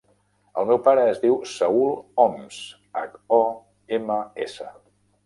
El meu pare es diu Saül Homs: hac, o, ema, essa.